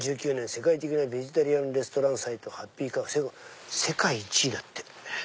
世界的なベジタリアンレストランサイトＨａｐｐｙＣｏｗ世界１位」だって。